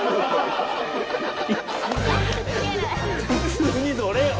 普通に乗れよ。